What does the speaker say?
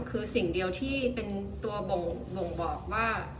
คือสิ่งเดียวที่เป็นตัวบ่งบอกว่า